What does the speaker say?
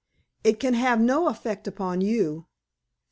"It can have no effect upon you.